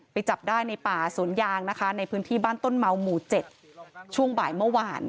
จับได้ในป่าสวนยางนะคะในพื้นที่บ้านต้นเมาหมู่๗ช่วงบ่ายเมื่อวาน